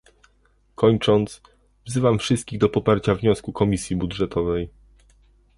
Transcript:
Kończąc, wzywam wszystkich do poparcia wniosku Komisji Budżetowej